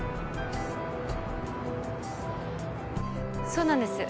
そうなんです。